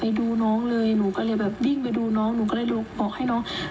ที่เราออกก็มีลเมดูที่จะออกไป